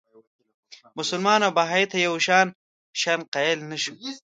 مسلمان او بهايي ته یو شان شأن قایل نه شو.